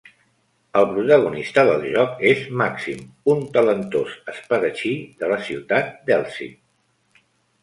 El protagonista del joc és Maxim, un talentós espadatxí de la ciutat d'Elcid.